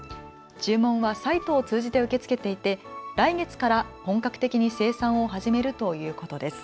注文はサイトを通じて受け付けていて来月から本格的に生産を始めるということです。